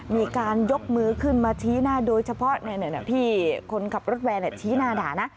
มีการยกมือขึ้นมาชี้หน้าโดยเฉพาะพี่คนขับรถแวนชี้หน้าด่านะ